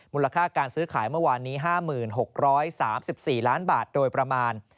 มูลค่าการซื้อขายเมื่อวานนี้๕๖๓๔ล้านบาทโดยประมาณ